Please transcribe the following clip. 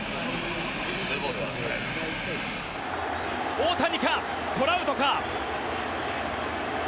大谷か、トラウトか。